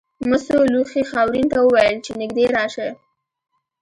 مسو لوښي خاورین ته وویل چې نږدې راشه.